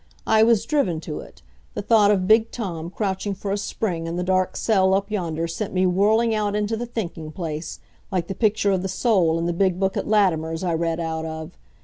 I was driven to it the thought of big Tom crouching for a spring in the dark cell up yonder sent me whirling out into the thinking place, like the picture of the soul in the big book at Latimer's I read out of.